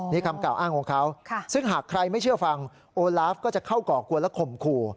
นี่คำกล่าวอ้างของเขาซึ่งหากใครไม่เชื่อฟังโอลาฟก็จะเข้าก่อกวนและข่มขู่